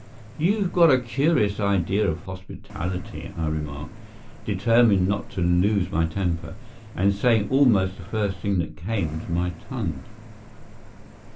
"You've got a curious idea of hospitality," I remarked, determined not to lose my temper, and saying almost the first thing that came to my tongue.